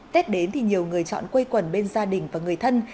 tết đến thì nhiều người chọn quây quần bên gia đình và người thân